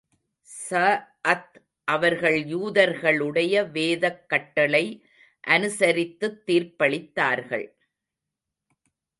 ஸஅத் அவர்கள் யூதர்களுடைய வேதக் கட்டளை அனுசரித்துத் தீர்ப்பளித்தார்கள்.